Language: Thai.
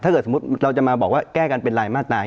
สมมุติเราจะมาบอกว่าแก้กันเป็นรายมาตรา๑